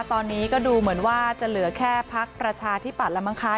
ตอนนี้ก็ดูเหมือนว่าจะเหลือแค่พักประชาธิปัตย์แล้วมั้งคะ